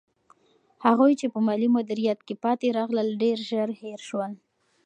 هغوی چې په مالي مدیریت کې پاتې راغلل، ډېر ژر هېر شول.